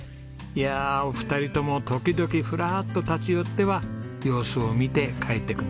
いやお二人とも時々ふらっと立ち寄っては様子を見て帰っていくんです。